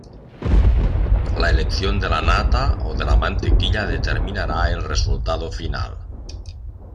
La elección de la nata o de la mantequilla determinará el resultado final.